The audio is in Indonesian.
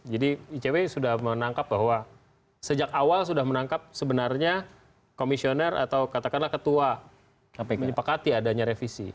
jadi icw sudah menangkap bahwa sejak awal sudah menangkap sebenarnya komisioner atau katakanlah ketua menipuakati adanya revisi